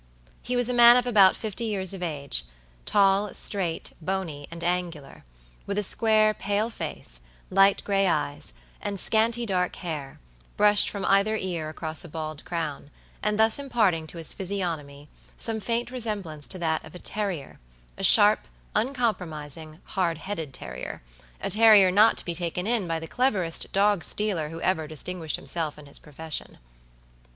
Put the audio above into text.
He was a man of about fifty years of age, tall, straight, bony and angular, with a square, pale face, light gray eyes, and scanty dark hair, brushed from either ear across a bald crown, and thus imparting to his physiognomy some faint resemblance to that of a terriera sharp, uncompromising, hard headed terriera terrier not to be taken in by the cleverest dog stealer who ever distinguished himself in his profession.